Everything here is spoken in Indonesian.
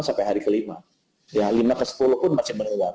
hanya disertai di jalan ringan